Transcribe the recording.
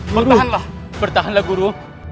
bertahanlah bertahanlah guru